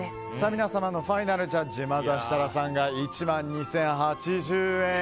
皆様のファイナルジャッジまずは設楽さんが１万２０８０円。